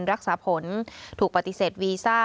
รักษาผลถูกปฏิเสธวีซ่า